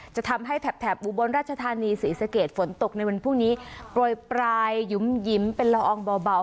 จะทำให้แถบแถบอุบลราชธานีศรีสเกตฝนตกในวันพวกนี้ปล่อยปลายยุ่มยิ้มเป็นลอองเบาเบา